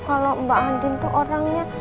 kalau mbak andin itu orangnya